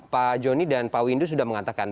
pak joni dan pak windu sudah mengatakan